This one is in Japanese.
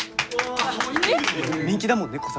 人気だもんね